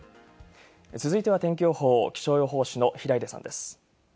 続いては天気予報、気象予報士の平出さんです。